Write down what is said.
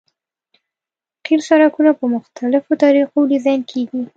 قیر سرکونه په مختلفو طریقو ډیزاین کیږي